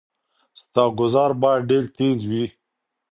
ستا ګوزار باید ډیر تېز وي.